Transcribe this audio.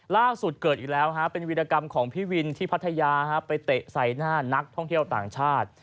ล่าสุดเกิดอีกแล้วเป็นวิรกรรมของพี่วินที่พัทยาไปเตะใส่หน้านักท่องเที่ยวต่างชาติ